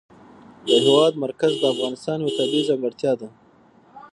د هېواد مرکز د افغانستان یوه طبیعي ځانګړتیا ده.